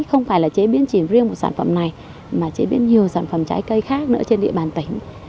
không phải là chế biến chỉ riêng một sản phẩm này mà chế biến nhiều sản phẩm trái cây khác nữa trên địa bàn tỉnh